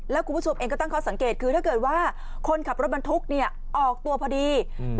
แล้วคุณผู้ชมเองก็ตั้งข้อสังเกตคือถ้าเกิดว่าคนขับรถบรรทุกเนี่ยออกตัวพอดีอืม